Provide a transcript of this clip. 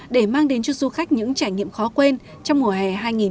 để mang đến cho du khách những trải nghiệm khó quên trong mùa hè hai nghìn hai mươi bốn